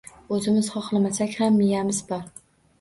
O’zimiz xohlamasak ham miyamiz bor